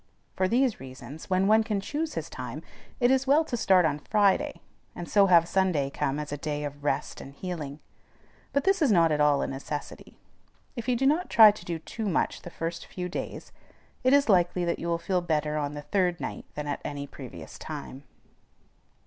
For these reasons, when one can choose his time, it is well to start on Friday, and so have Sunday come as a day of rest and healing; but this is not at all a necessity. If you do not try to do too much the first few days, it is likely that you will feel better on the third night than at any previous time.